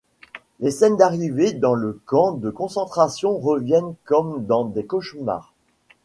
Les scènes d'arrivée dans le camp de concentration reviennent comme dans des cauchemars.